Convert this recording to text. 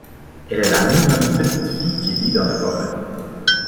Elle est la mignonne petite fille qui vit dans la forêt.